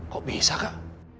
kok bisa kak